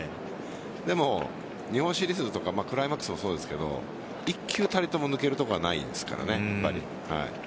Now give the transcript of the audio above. でも、日本シリーズとかクライマックスもそうですが１球たりとも抜けるところがないですからね。